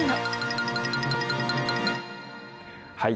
はい。